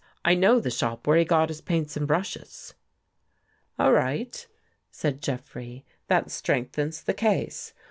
" I know the shop where he got his paints and brushes." " All right," said Jeffrey, " that strengthens the case.